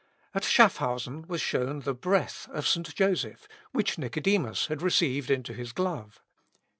At Schaffhausen was shown the breath of St. Joseph, which Nicodemus had received into his glove.